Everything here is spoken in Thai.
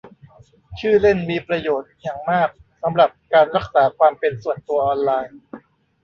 ชื่อเล่นมีประโยชน์อย่างมากสำหรับการรักษาความเป็นส่วนตัวออนไลน์